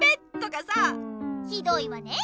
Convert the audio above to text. ひどいわねえ